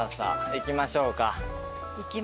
行きましょう。